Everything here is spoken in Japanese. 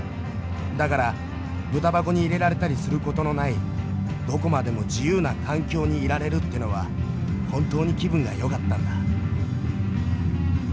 だからブタ箱に入れられたりする事のないどこまでも自由な環境にいられるってのは本当に気分がよかったんだ」。